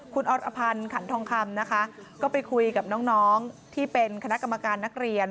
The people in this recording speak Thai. คุณออพันธ์ขันทองคำนะคะก็ไปคุยกับน้องที่เป็นคณะกรรมการนักเรียน